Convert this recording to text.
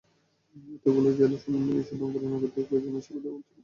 এতগুলো জেলার মধ্যে সমন্বয় সাধন করে নাগরিকদের প্রয়োজনীয় সেবা দেওয়া অত্যন্ত কঠিন।